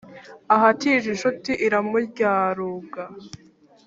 ahatije inshuti iramuryaruga